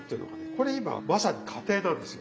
これ今まさに過程なんですよ。